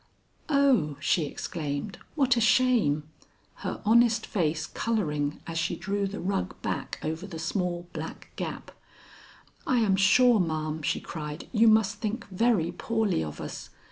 "Oh," she exclaimed, "what a shame!" her honest face coloring as she drew the rug back over the small black gap. "I am sure, ma'am," she cried, "you must think very poorly of us.